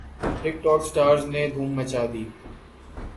ٹک ٹوک سٹارز نے دھوم مچا دی